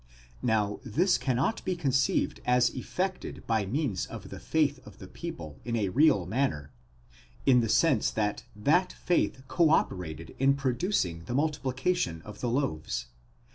Now, this cannot be conceived as effected by means of the faith of the people in a real manner, in the sense that that faith co operated in producing the multiplication of the loaves.